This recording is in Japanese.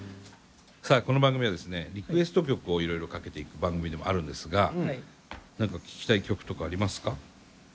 さあこの番組はですねリクエスト曲をいろいろかけていく番組でもあるんですが何か聴きたい曲とかありますか？